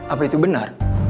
apa itu benar